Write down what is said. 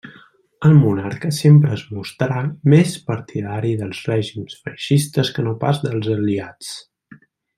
El monarca sempre es mostrà més partidari dels règims feixistes que no pas dels Aliats.